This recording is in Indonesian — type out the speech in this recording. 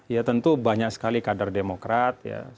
ya tentu banyak sekali kader demokrat ya